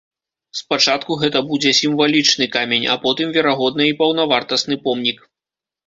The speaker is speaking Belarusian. Спачатку гэта будзе сімвалічны камень, а потым, верагодна, і паўнавартасны помнік.